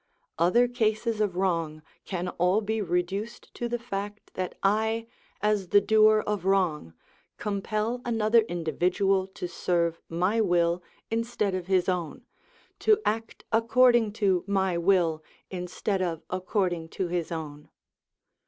Other cases of wrong can all be reduced to the fact that I, as the doer of wrong, compel another individual to serve my will instead of his own, to act according to my will instead of according to his own.